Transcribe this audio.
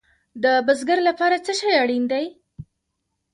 د بزګر لپاره څه شی اړین دی؟